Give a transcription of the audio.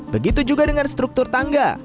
begitu juga dengan struktur tangga